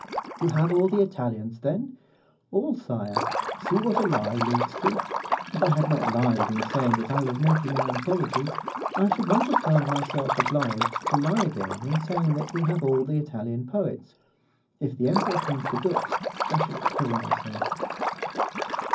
'You have all the Italians, then?' 'All, sire.' See what a lie leads to. If I had not lied in saying that I was making an anthology, I should not have found myself obliged to lie again in saying that we have all the Italian poets. If the Emperor comes to Dux, I shall kill myself.